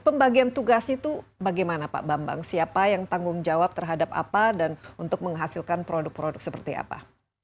pembagian tugas itu bagaimana pak bambang siapa yang tanggung jawab terhadap apa dan untuk menghasilkan produk produk seperti apa